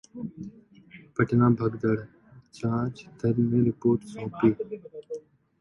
पटना भगदड़: जांच दल ने रिपोर्ट सौंपी